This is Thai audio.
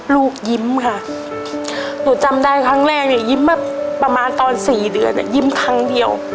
ลูกยิ้มค่ะหนูจำได้ครั้งแรกเนี่ยยิ้มมาประมาณตอน๔เดือนยิ้มครั้งเดียว